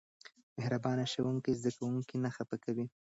مهربان ښوونکی زده کوونکي نه خفه کوي.